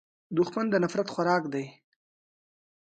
دښمن د نفرت خوراک دی